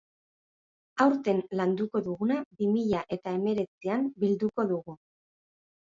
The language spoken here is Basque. Aurten landuko duguna bi mila eta hemeretzian bilduko dugu.